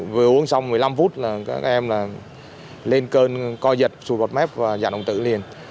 vừa uống xong một mươi năm phút là các em lên cơn coi dật sụt bọt mép và giảm động tử liền